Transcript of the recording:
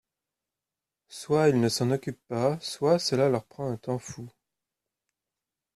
Soit ils ne s’en occupent pas, soit cela leur prend un temps fou.